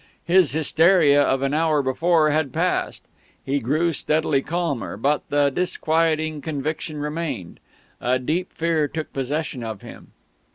His hysteria of an hour before had passed; he grew steadily calmer; but the disquieting conviction remained. A deep fear took possession of him.